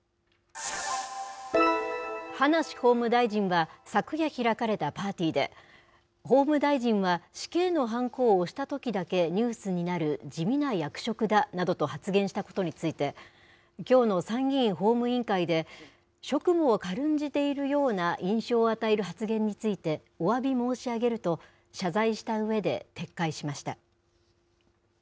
葉梨法務大臣は昨夜開かれたパーティーで、法務大臣は、死刑のはんこを押したときだけニュースになる地味な役職だなどと発言したことについて、きょうの参議院法務委員会で職務を軽んじているような印象を与える発言について、おわび申し上げると、謝罪したうえで撤回しました。